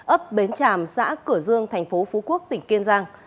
ấp bến tràm xã cửa dương tp phú quốc tỉnh kiên giang